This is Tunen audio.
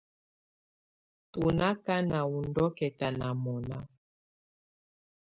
Tù na akanà wù ndɔ̀kɛ̀ta nà mɔ̀na.